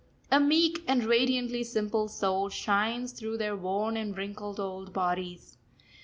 A meek and radiantly simple soul shines through their worn and wrinkled, old bodies.